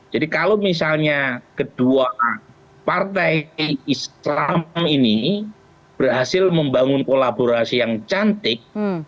jadi kalau misalnya kedua partai islam ini berhasil membangun kolaborasi yang cantik